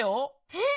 えっ！